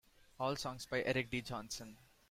All songs by Eric D. Johnson.